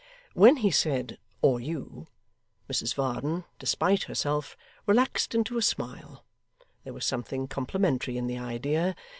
When he said 'or you,' Mrs Varden, despite herself, relaxed into a smile. There was something complimentary in the idea.